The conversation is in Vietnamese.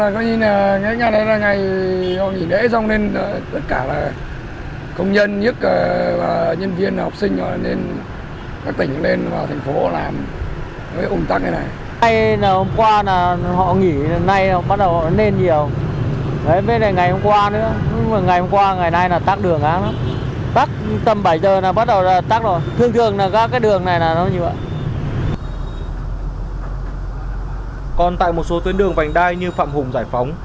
còn tại một số tuyến đường vành đai như phạm hùng giải phóng